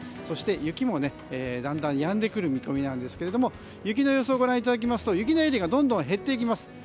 そして雪もだんだんやんでくる見込みなんですけども雪の予想をご覧いただきますと雪のエリアがどんどん減っていきます。